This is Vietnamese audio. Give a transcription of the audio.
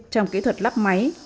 trong kỹ thuật lắp máy